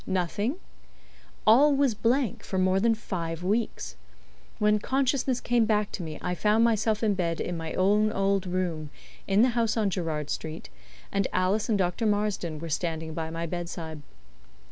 Nothing? All was blank for more than five weeks. When consciousness came back to me I found myself in bed in my own old room, in the house on Gerrard Street, and Alice and Dr. Marsden were standing by my bedside.